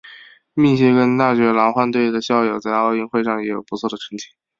密歇根大学狼獾队的校友在奥运会上也有不错的成绩。